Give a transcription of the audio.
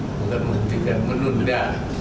bukan menghentikan menunda